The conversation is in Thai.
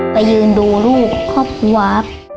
ไปยืนดูลูกครอบครัว